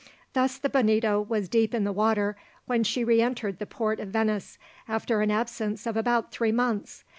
Thus the Bonito was deep in the water when she re entered the port of Venice after an absence of about three months.